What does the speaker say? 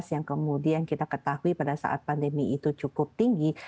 yang kemudian kita ketahui pada saat pandemi itu cukup tinggi